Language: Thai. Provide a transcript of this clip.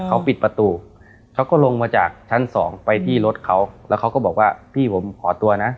เขาปิดประตูเขาก็ลงมาจากชั้นสองไปที่รถเขาแล้วเขาก็บอกว่าพี่ผมขอตัวนะ